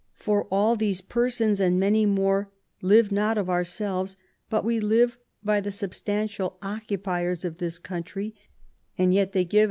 For all these persons and many more Uve not of ourselves, but we live by the substantial occupiers of this country ; and yet they give I 114 THOMAS WOLSEY chap.